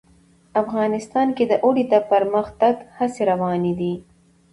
افغانستان کې د اوړي د پرمختګ هڅې روانې دي.